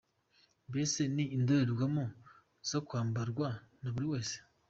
Mbese ni indorerwamo zakwambarwa na buri wese.